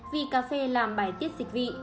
vì cà phê làm bài tiết dịch vị